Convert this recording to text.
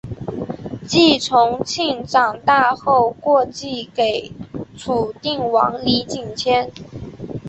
李从庆长大后过继给楚定王李景迁。